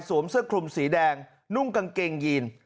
เสื้อคลุมสีแดงนุ่งกางเกงยีน